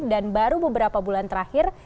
dan baru beberapa bulan terakhir